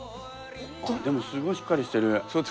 あっでもすごいしっかりしてる。